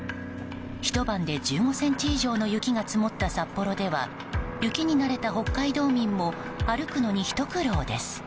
ひと晩で１５ｃｍ以上の雪が積もった札幌では雪に慣れた北海道民も歩くのにひと苦労です。